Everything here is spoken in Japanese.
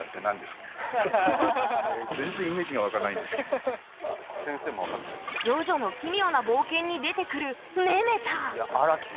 今回「ジョジョの奇妙な冒険」に出てくる「メメタァ」。